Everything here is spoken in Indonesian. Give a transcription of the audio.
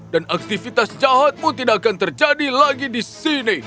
dan aktivitas jahatmu tidak akan terjadi lagi disini